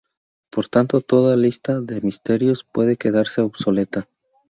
Por tanto toda lista de ministerios puede quedarse obsoleta.